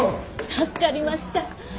助かりました。